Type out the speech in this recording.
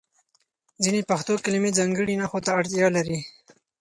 ځینې پښتو کلمې ځانګړي نښو ته اړتیا لري.